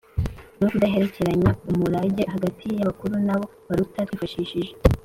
No kudahererekanya umurage hagati y abakuru n abo baruta twifashishije